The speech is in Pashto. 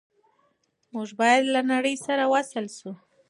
موږ باید له نړۍ سره وصل شو.